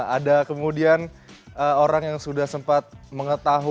ada kemudian orang yang sudah sempat mengetahui